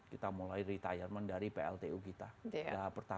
dua ribu tiga puluh kita mulai retirement dari pltu kita